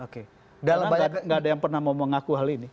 karena tidak ada yang pernah mengaku hal ini